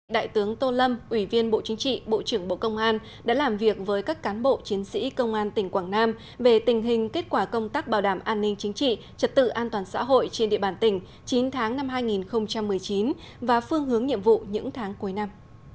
đại tướng tô lâm ủy viên bộ chính trị bộ trưởng bộ công an đã làm việc với các cán bộ chiến sĩ công an tỉnh quảng nam về tình hình kết quả công tác bảo đảm an ninh chính trị trật tự an toàn xã hội trên địa bàn tỉnh chín tháng năm hai nghìn một mươi chín và phương hướng nhiệm vụ những tháng cuối năm